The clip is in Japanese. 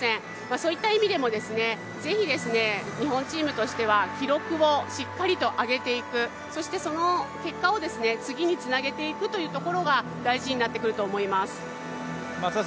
そういった意味でも、ぜひ、日本チームとしては記録をしっかりと上げていく、そして、その結果を次につなげていくというところが大事になってくると思います。